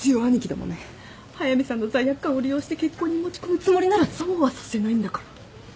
速見さんの罪悪感を利用して結婚に持ち込むつもりならそうはさせないんだから。